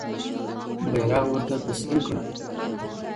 بیرغ ورته تسلیم کړه.